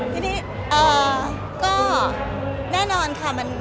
ที่นี่เอ่อก็แน่นอนค่ะ